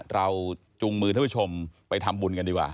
จูงมือท่านผู้ชมไปทำบุญกันดีกว่า